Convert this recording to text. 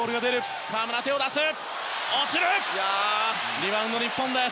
リバウンド、日本。